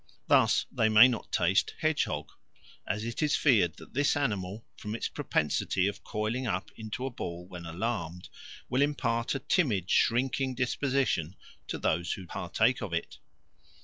Thus they may not taste hedgehog, "as it is feared that this animal, from its propensity of coiling up into a ball when alarmed, will impart a timid shrinking disposition to those who partake of it."